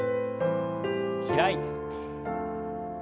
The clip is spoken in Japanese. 開いて。